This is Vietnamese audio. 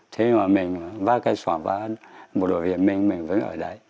thế mà mình bác cái sỏn và một đội viên minh mình vẫn ở đấy